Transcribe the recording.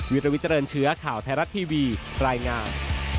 วิลวิเจริญเชื้อข่าวไทยรัฐทีวีรายงาน